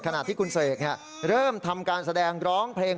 ขณะที่คุณเสกเริ่มทำการแสดงร้องเพลง